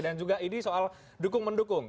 dan juga ini soal dukung mendukung